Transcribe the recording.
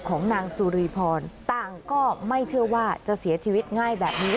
ของนางสุรีพรต่างก็ไม่เชื่อว่าจะเสียชีวิตง่ายแบบนี้